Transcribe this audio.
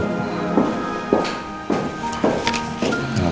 terima kasih eropa